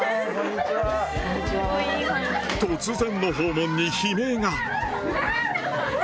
突然の訪問に悲鳴が。